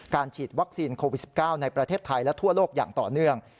ฉีดวัคซีนโควิด๑๙ในประเทศไทยและทั่วโลกอย่างต่อเนื่อง